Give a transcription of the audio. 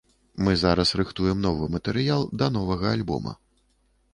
Мы зараз рыхтуем новы матэрыял да новага альбома.